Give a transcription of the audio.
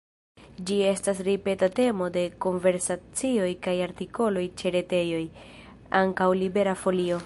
Ĝi estis ripeta temo de konversacioj kaj artikoloj ĉe retejoj, ankaŭ Libera Folio.